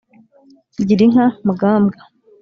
gira inka mugambwa